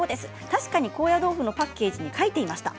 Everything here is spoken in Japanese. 確かに高野豆腐のパッケージに書いていました。